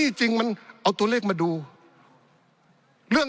ปี๑เกณฑ์ทหารแสน๒